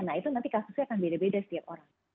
nah itu nanti kasusnya akan beda beda setiap orang